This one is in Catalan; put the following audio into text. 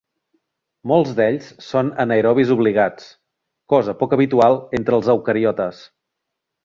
Molts d'ells són anaerobis obligats, cosa poc habitual entre els eucariotes.